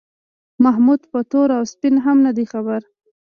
محمود په تور او سپین هم نه دی خبر.